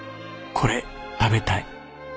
これ食べたい。